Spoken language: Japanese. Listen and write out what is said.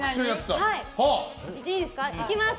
いきます。